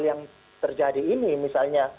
yang terjadi ini misalnya